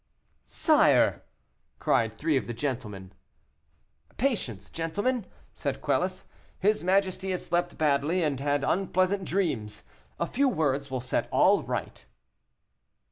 "Sire," cried three of the gentlemen. "Patience, gentlemen," said Quelus, "his majesty has slept badly, and had unpleasant dreams. A few words will set all right."